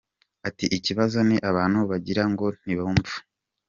Ati”Ikibazo ni abantu wagira ngo ntibumva.